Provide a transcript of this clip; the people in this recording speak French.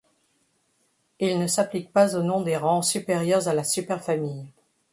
Ils ne s'appliquent pas aux noms des rangs supérieurs à la superfamille.